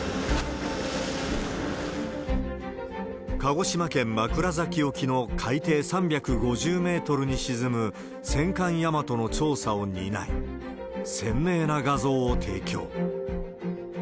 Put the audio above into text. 鹿児島県枕崎沖の海底３５０メートルに沈む戦艦大和の調査を担い、鮮明な画像を提供。